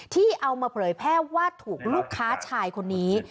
ที่เอามาเผยแพร่ว่าถูกลูกค้าชายคนนี้